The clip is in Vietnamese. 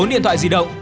bốn điện thoại di động